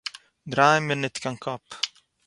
דריי מיר ניט קיין קאָפ!